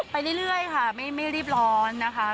ไปเรื่อยค่ะไม่รีบร้อนนะคะ